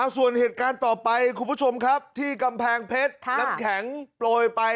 ส่วนเหตุการณ์ต่อไปคุณผู้ชมครับที่กำแพงเพชรน้ำแข็งโปรยไป